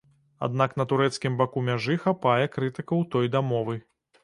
Аднак на турэцкім баку мяжы хапае крытыкаў той дамовы.